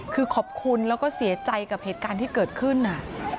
คือขอบคุณแล้วก็เสียใจกับเหตุการณ์ที่เกิดขึ้น